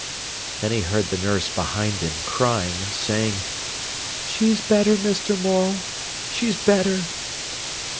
Then he heard the nurse behind him, crying, saying: "She's better, Mr. Morel, she's better."